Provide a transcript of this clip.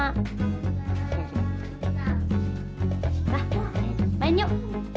abah main yuk